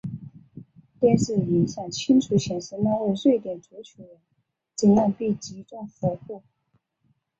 电视影像清楚显示那位瑞典足球员怎样被击中腹部。